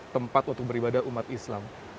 tempat untuk beribadah umat islam